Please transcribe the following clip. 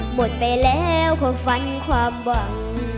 หมดไปแล้วความฝันความบ่ม